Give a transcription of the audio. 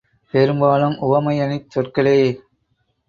பெரும்பாலும் உவமையணிச் சொற்களே